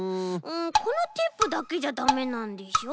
このテープだけじゃだめなんでしょ？